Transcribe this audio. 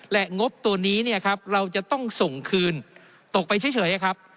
และงบตัวนี้เราจะต้องส่งคืนตกไปเฉยครับ